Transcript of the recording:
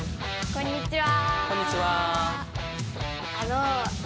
こんにちは。